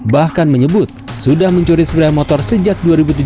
bahkan menyebut sudah mencuri sepeda motor sejak dua ribu tujuh belas